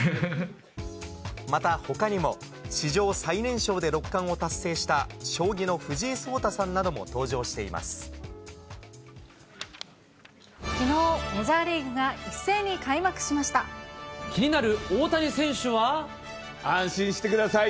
また、ほかにも、史上最年少で六冠を達成した将棋の藤井聡太さんなども登場していきのう、メジャーリーグが一気になる大谷選手は。安心してください。